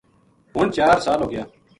ہن چار سال ہو گیا